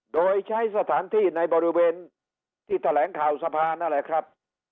โดยใช้สถานที่ในบริเวณที่แถลงข่าวสะพานนั่นแหละครับ